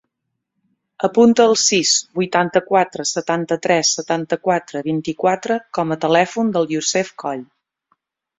Apunta el sis, vuitanta-quatre, setanta-tres, setanta-quatre, vint-i-quatre com a telèfon del Yousef Coll.